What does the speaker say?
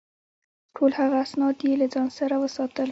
ټول هغه اسناد یې له ځان سره وساتل.